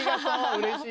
うれしい。